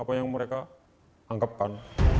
apa yang mereka anggapkan